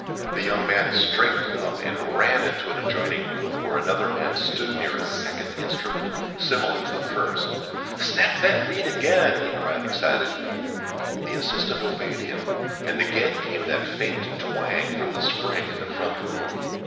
The young man straightened up and ran into an adjoining room, where another man stood near a second instrument similar to the first. "Snap that reed again!" he cried excitedly. The assistant obeyed him, and again came that faint twang from the spring in the front room.